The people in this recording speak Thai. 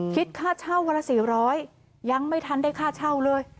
คิดค่าเช่าวันละ๔๐๐ยังไม่ทันได้ค่าเช่าเลย